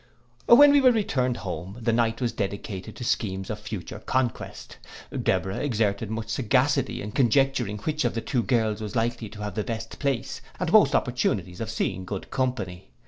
When we were returned home, the night was dedicated to schemes of future conquest. Deborah exerted much sagacity in conjecturing which of the two girls was likely to have the best place, and most opportunities of seeing good company.